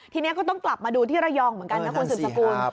ทีนี้ก็ต้องกลับมาดูที่ระยองเหมือนกันนะคุณสุดสกุล